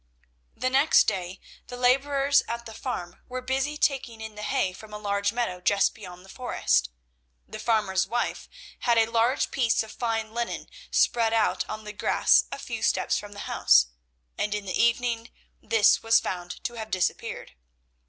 The next day the labourers at the farm were busy taking in the hay from a large meadow just beyond the forest. The farmer's wife had a large piece of fine linen spread out on the grass a few steps from the house, and in the evening this was found to have disappeared.